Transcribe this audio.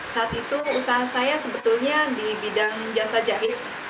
saat itu usaha saya sebetulnya di bidang jasa jahit